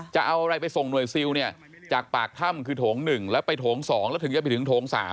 จะเอาอะไรไปส่งหน่วยซิลเนี่ยจากปากถ้ำคือโถง๑แล้วไปโถง๒แล้วถึงจะไปถึงโถง๓